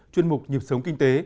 chuyên mục nhịp sống kinh tế